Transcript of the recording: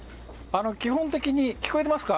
基本的に、聞こえてますか？